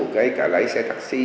ví dụ lấy xe taxi